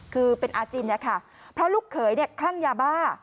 คือเป็นอาจินนะคะเพราะลูกเขยคลั่งยาบ้า